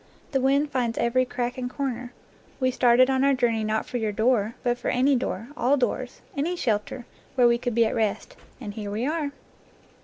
The wind finds every crack and corner. We started on our journey not for your door, but for any door, all doors, any shelter where we could be at rest; and here we are!"